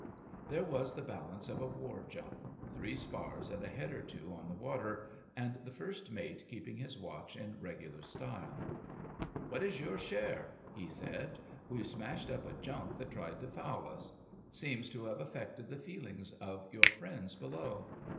There was the balance of a war junk — ^three spars and a head or two on the water, and the first mate keeping his watch in regular style. What is your share? ' he said. * WeVe smashed up a junk that tried to foul us. Seems to have affected the feelings of your friends be EEASTASIUS OF THE WHANGHOA 11 low.